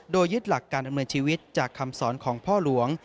โดยยึดหลักการดำเนินชีวิตจากคำสอนของพ่อหลวง